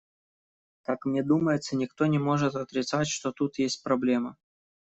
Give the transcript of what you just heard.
Как мне думается, никто не может отрицать, что тут есть проблема.